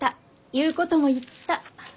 言うことも言った。